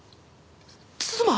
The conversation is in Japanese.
妻？